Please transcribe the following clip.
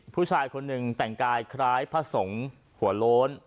ผู้ชายคนหนึ่งแต่งกายคล้ายพระสงฆ์หัวโล้น